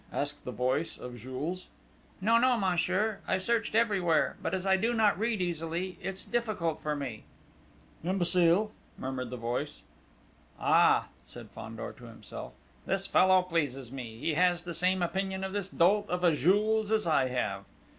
asked the voice of Jules. "No, no, monsieur! I searched everywhere; but as I do not read easily, it's difficult for me...." "Imbecile!" murmured the voice. "Ah!" said Fandor to himself. "This fellow pleases me! He has the same opinion of this dolt of a Jules as I have!"